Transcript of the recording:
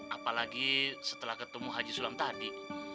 apalagi setelah ketemu haji sulam tadi